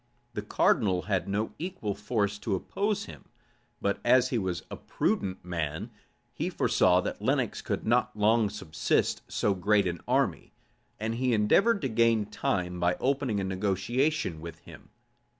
The cardinal had no equal force to oppose to him; but as he was a prudent man, he foresaw that Lenox could not long subsist so great an army, and he endeavored to gain time by opening a negotiation with him.